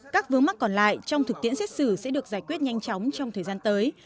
các vướng mắc còn lại trong thực tiễn xét xử sẽ được giải quyết nhanh chóng trong thời gian tới